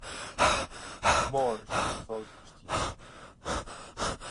Moore is a devout Christian.